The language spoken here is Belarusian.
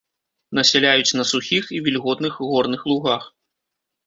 Насяляюць на сухіх і вільготных горных лугах.